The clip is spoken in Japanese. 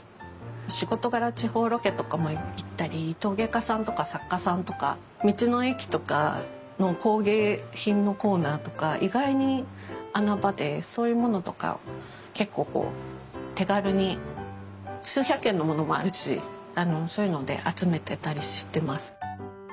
仕事柄地方ロケとかも行ったり陶芸家さんとか作家さんとか道の駅とかの工芸品のコーナーとか意外に穴場でそういうものとかを結構手軽に数百円のものもあるしそういうので集めてたりしてます。